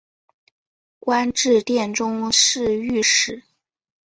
官至殿中侍御史。